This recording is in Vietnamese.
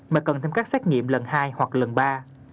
mà cần thêm các xét nghiệm lần hai hoặc lần ba